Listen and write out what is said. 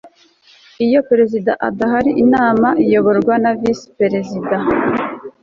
iyo perezida adahari inama iyoborwa na visi perezida